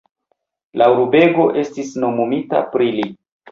La urbego estis nomumita pri li.